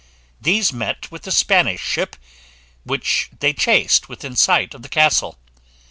These met with a Spanish ship, which they chased within sight of the castle.